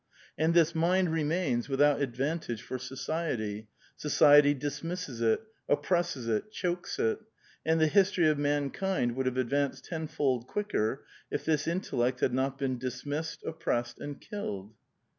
And this mind remains without advantage for societ}', society dismisses it, oppresses it, chokes it, and the history of mankind would have ad vanced tenfold quicker if this intellect had not been dis missed, oppressed, and killed."